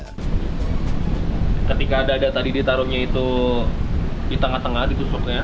ketika dada tadi ditaruhnya itu di tengah tengah ditusuknya